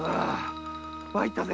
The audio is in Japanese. まいったぜ。